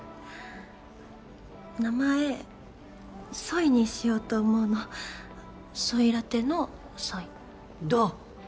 名前ソイにしようと思うのソイラテのソイどう？